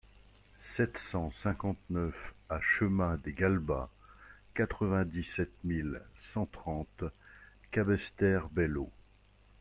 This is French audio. sept cent cinquante-neuf A chemin des Galbas, quatre-vingt-dix-sept mille cent trente Capesterre-Belle-Eau